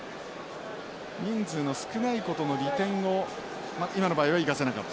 人数の少ないことの利点を今の場合は生かせなかったと。